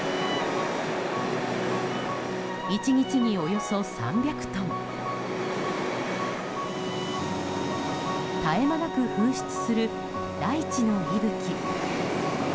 １日におよそ３００トン絶え間なく噴出する大地の息吹。